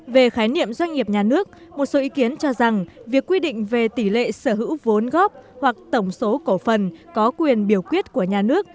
về khái niệm doanh nghiệp nhà nước một số ý kiến cho rằng việc quy định về tỷ lệ sở hữu vốn góp hoặc tổng số cổ phần có quyền biểu quyết của nhà nước